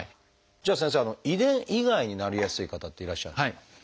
じゃあ先生遺伝以外になりやすい方っていらっしゃるんですか？